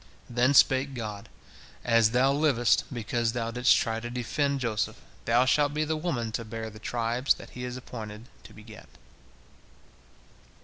Then spake God, "As thou livest, because thou didst try to defend Joseph, thou shalt be the woman to bear the tribes that he is appointed to beget.